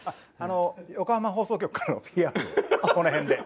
横浜放送局からのＰＲをこの辺で。